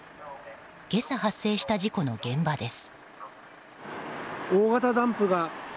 今朝発生した事故の現場です。